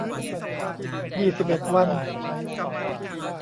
ยี่สิบเอ็ด วัน